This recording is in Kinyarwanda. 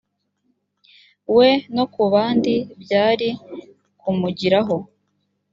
we no ku bandi byari kumugiraho